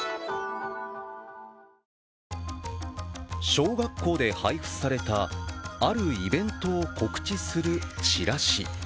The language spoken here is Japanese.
小学校で配布されたあるイベントを告知するチラシ。